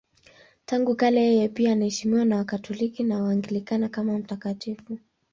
Tangu kale yeye pia anaheshimiwa na Wakatoliki na Waanglikana kama mtakatifu.